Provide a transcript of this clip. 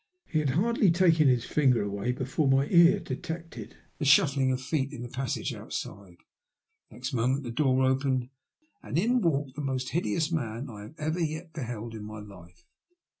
He had hardly taken his finger away before my ear detected the shuffling of feet in the passage outside. Next moment the door opened, and in walked the most hideous man I have ever yet beheld in my life.